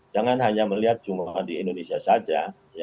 jangan hanya melihat cuma di indonesia saja